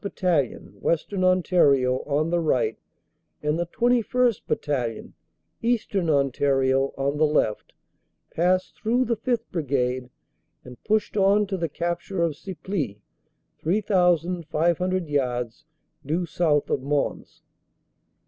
Battalion, Western Ontario, on the right, and the 21st. Battalion, Eastern Ontario, on the left, passed through the 5th. Brigade and pushed on to the capture of Ciply, 3,500 yards due south of Mons.